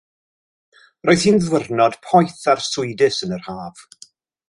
Roedd hi'n ddiwrnod poeth arswydus yn yr haf.